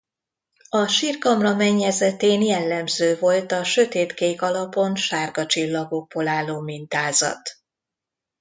A sírkamra mennyezetén jellemző volt a sötétkék alapon sárga csillagokból álló mintázat.